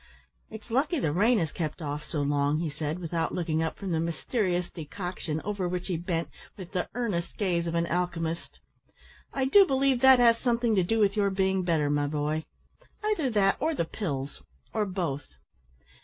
"It's lucky the rain has kept off so long," he said, without looking up from the mysterious decoction over which he bent with the earnest gaze of an alchymist. "I do believe that has something to do with your being better, my boy either that or the pills, or both."